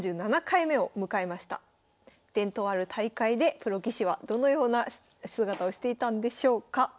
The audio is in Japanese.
伝統ある大会でプロ棋士はどのような姿をしていたんでしょうか。